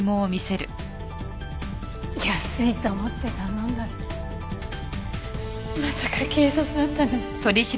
安いと思って頼んだらまさか警察だったなんて。